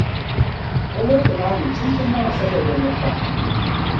o leefe maa ni chinchini maŋa sa be dinni pam.